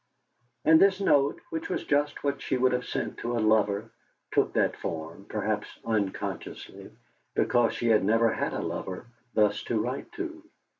And this note, which was just what she would have sent to a lover, took that form, perhaps unconsciously, because she had never had a lover thus to write to.